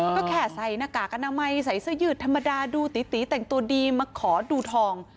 ก็แค่ใส่หน้ากากอนามัยใส่เสื้อยืดธรรมดาดูตีตีแต่งตัวดีมาขอดูทอง